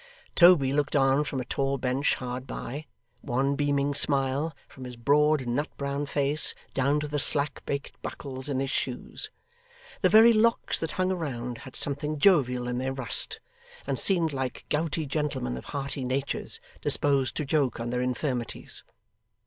Toby looked on from a tall bench hard by; one beaming smile, from his broad nut brown face down to the slack baked buckles in his shoes. The very locks that hung around had something jovial in their rust, and seemed like gouty gentlemen of hearty natures, disposed to joke on their infirmities.